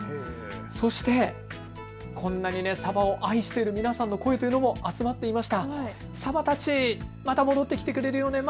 そして、こんなにサバを愛している皆さんの声というのも集まっていました。